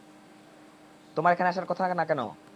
তোমার এখানে আসার কথা না কেন?